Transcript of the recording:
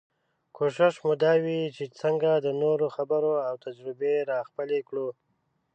کوشش مو دا وي چې څنګه د نورو خبرې او تجربې راخپلې کړو.